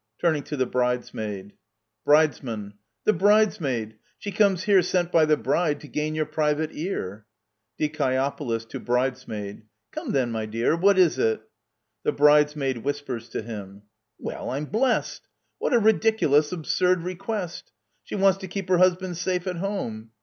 (turning to the Bridesmaid.) Brid. The bridesmaid : she comes here Sent by the bride to gain your private ear. Die. (to Bridesmaid). Come, then, my dear, what is it? (The Bridesmaid whispers to him.) Well, I'm blest ! What a ridiculous, absurd request ! She wants to keep her husband safe at home